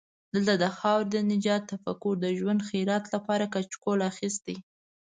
دلته د خاورې د نجات تفکر د ژوند خیرات لپاره کچکول اخستی.